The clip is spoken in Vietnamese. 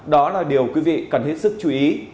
đó là điều quý vị cần hết sức chú ý